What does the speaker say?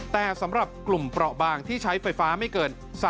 แต่สำหรับกลุ่มเปราะบางที่ใช้ไฟฟ้าไม่เกิน